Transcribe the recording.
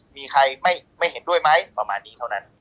มีใครไม่เห็นด้วยไหมประมาณนี้เท่านั้น